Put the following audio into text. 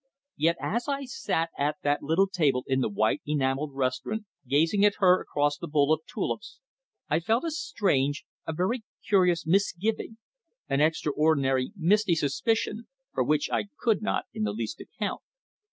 Yet, as I sat at that little table in the white enamelled restaurant gazing at her across the bowl of tulips, I felt a strange, a very curious misgiving, an extraordinary misty suspicion, for which I could not in the least account.